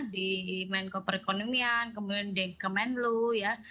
di menkoper ekonomi yang kemudian di kemenlu ya